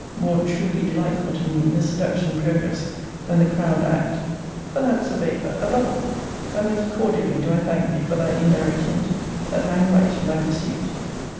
More truly delightful to me the seduction progress than the crowned act: for that's a vapour, a bubble! and most cordially do I thank thee for thy indirect hint, that I am right in my pursuit.